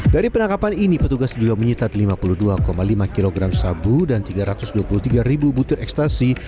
dari penangkapan ini petugas juga menyita lima puluh dua lima kg sabu dan tiga ratus dua puluh tiga ribu butir ekstasi